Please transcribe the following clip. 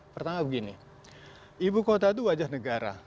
pertama begini ibu kota itu wajah negara